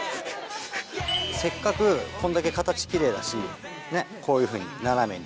せっかくこんだけ形奇麗だしねっこういうふうに斜めに。